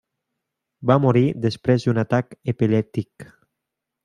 Va morir després d'un atac epilèptic.